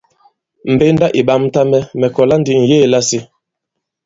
Mbenda ì ɓamta mɛ̀, mɛ̀ kɔ̀la ndi ŋ̀yeē lasi.